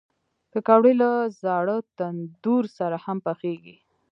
پکورې له زاړه تندور سره هم پخېږي